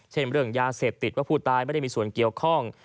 เรื่องยาเสพติดว่าผู้ตายไม่ได้มีส่วนเกี่ยวข้อง